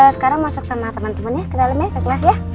sekarang masuk sama teman temannya ke dalamnya ke kelas ya